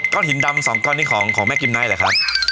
ก้อนหินดำสองก้อนนี่ของของแม่กิมไนท์หรือครับ